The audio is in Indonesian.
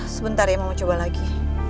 sebentar ya mau coba lagi